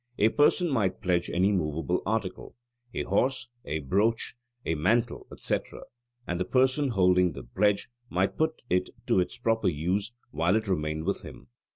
A person might pledge any movable article a horse, a brooch, a mantle, etc. and the person holding the pledge might put it to its proper use while it remained with him.